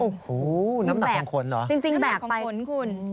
โอ้โหน้ำหนักของคนเหรอน้ำหนักของคนคุณ